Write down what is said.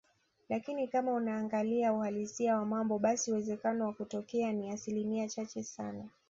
lakini kama unaangalia uhalisia wa mambo basi uwezekano wa kutokea ni asilimia chache sana